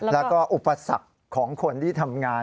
แล้วก็อุปสรรคของคนที่ทำงาน